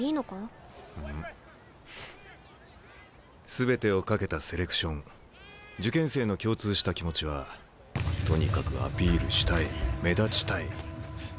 全てを懸けたセレクション受験生の共通した気持ちは「とにかくアピールしたい」「目立ちたい」。